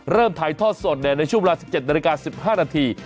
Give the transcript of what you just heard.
ถ่ายทอดสดในช่วงเวลา๑๗นาฬิกา๑๕นาที